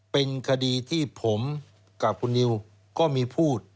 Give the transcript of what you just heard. เป็นคดีที่ผมกับคุณนิวก็มีพูด